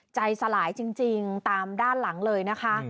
ใจสลายจริงตามด้านหลังเลยนะคะ